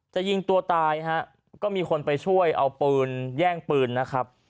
จะยิงตัวตายฮะก็มีคนไปช่วยเอาปืนแย่งปืนนะครับ